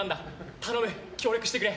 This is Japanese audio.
頼む、協力してくれ。